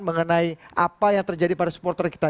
mengenai apa yang terjadi pada supporter kita